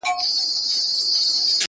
• د زړه کور کي مي جانان په کاڼو ولي..